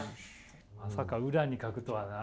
まさか裏に書くとはな。